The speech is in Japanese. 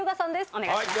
お願いします。